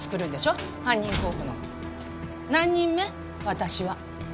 私は。